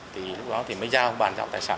thì lúc đó mới giao bàn giao tài sản